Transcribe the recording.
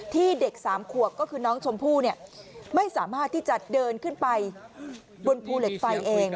เด็ก๓ขวบก็คือน้องชมพู่ไม่สามารถที่จะเดินขึ้นไปบนภูเหล็กไฟเอง